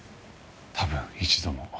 多分一度も。